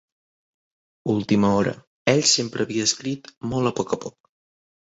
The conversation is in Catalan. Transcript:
Última hora, ell sempre havia escrit molt a poc a poc.